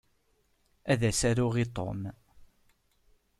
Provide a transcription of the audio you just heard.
Ad as-aruɣ i Tom.